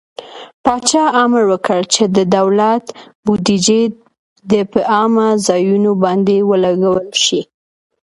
پاچا امر وکړ چې د دولت بودجې د په عامه ځايونو باندې ولګول شي.